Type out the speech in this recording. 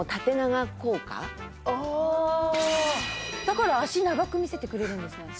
だから脚長く見せてくれるんですね。